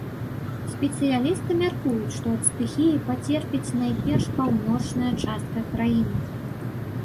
Спецыялісты мяркуюць, што ад стыхіі пацерпіць найперш паўночная частка краіны.